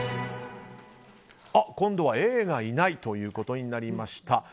今度はＡがいないということになりました。